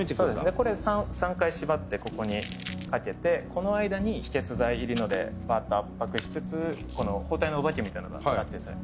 これ３回縛ってここにかけてこの間に止血剤入りのでバーッと圧迫しつつこの包帯のお化けみたいなのがあってですね